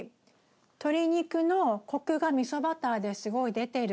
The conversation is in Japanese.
鶏肉のコクがみそバターですごい出てる。